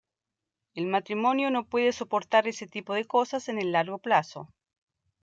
El matrimonio no puede soportar ese tipo de cosas en el largo plazo.